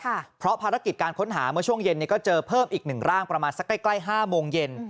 เพราะภารกิจการค้นหาเมื่อช่วงเย็นเนี้ยก็เจอเพิ่มอีกหนึ่งร่างประมาณสักใกล้ใกล้ห้าโมงเย็น